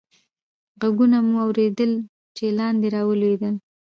ږغونه مو اورېدل، چې لاندې رالوېدل.